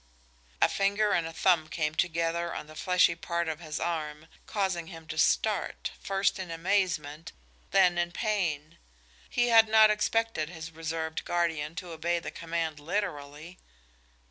A finger and a thumb came together on the fleshy part of his arm, causing him to start, first in amazement, then in pain. He had not expected his reserved guardian to obey the command literally.